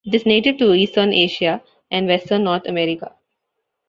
It is native to eastern Asia and western North America.